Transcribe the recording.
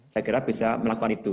saya kira bisa melakukan itu